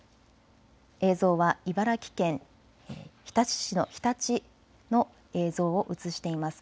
映像は茨城県日立市の映像を映しています。